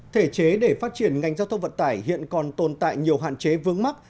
thể chế để phát triển ngành giao thông vận tải hiện còn tồn tại nhiều hạn chế vướng mắt